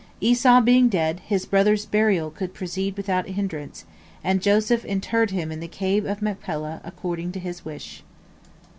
Esau being dead, his brother's burial could proceed without hindrance, and Joseph interred him in the Cave of Machpelah in accordance with his wish.